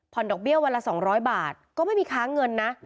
ผ่อนดอกเบี้ยววันละสองร้อยบาทก็ไม่มีค้าเงินนะ